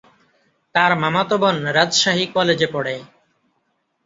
তার মামাতো বোন রাজশাহী কলেজে পড়ে।